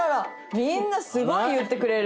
みんなすごい言ってくれる。